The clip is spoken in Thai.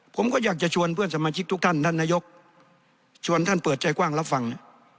ผมก็อยากจะชวนเพื่อนสมาชิกทุกท่านท่านนายกชวนท่านเปิดใจกว้างรับฟัง